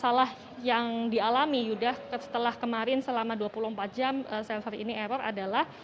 masalah yang dialami yuda setelah kemarin selama dua puluh empat jam server ini error adalah